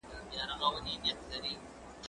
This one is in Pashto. هغه وويل چي چای ګرم دی،